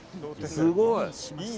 すごい。